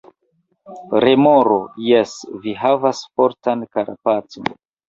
Remoro: "Jes, vi havas fortan karapacon."